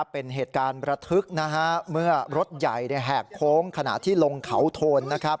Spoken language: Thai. เป็นเหตุการณ์ระทึกนะฮะเมื่อรถใหญ่แหกโค้งขณะที่ลงเขาโทนนะครับ